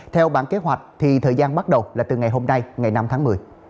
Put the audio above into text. theo bản kế hoạch thì thời gian bắt đầu là từ ngày hôm nay ngày năm tháng một mươi